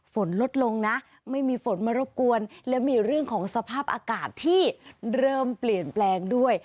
ฝนลดลงนะไม่มีฝนมารบกวนและมีเรื่องของสภาพอากาศที่เริ่มเปลี่ยนแปลงด้วย